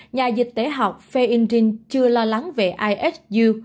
nhà dịch tế học feindring chưa lo lắng về ihu